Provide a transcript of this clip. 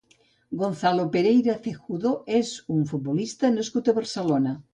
Gonzalo Pereira Cejudo és un futbolista nascut a Barcelona.